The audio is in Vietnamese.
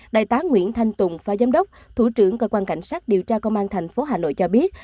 đại tá nguyễn thanh tùng phá giám đốc thủ trưởng cơ quan cảnh sát điều tra công an thành phố hà nội cho biết